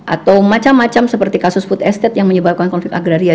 atau macam macam seperti kasus food estates yang menyebabkan konflik agraria